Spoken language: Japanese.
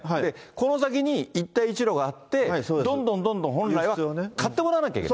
この先に一帯一路があって、どんどんどんどん、本来は買ってもらわないといけない。